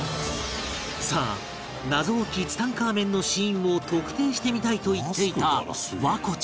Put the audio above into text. さあ謎多きツタンカーメンの死因を特定してみたいと言っていた環子ちゃん